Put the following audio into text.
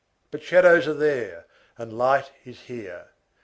But shadows are there, and light is here.